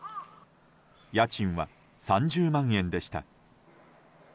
家賃は３０万円でした。